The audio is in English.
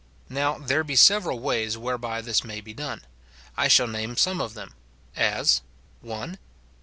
Now, there be several ways whereby this may be done. I shall name some of them ; as, — (1.)